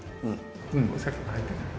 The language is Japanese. お酒は入ってない。